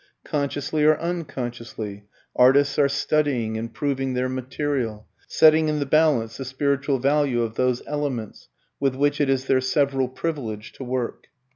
Consciously or unconsciously artists are studying and proving their material, setting in the balance the spiritual value of those elements, with which it is their several privilege to work.